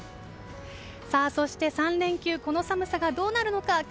そして、３連休この寒さがどうなるのか。